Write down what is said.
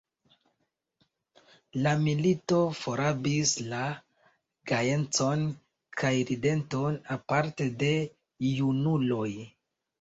La milito forrabis la gajecon kaj rideton, aparte de junuloj.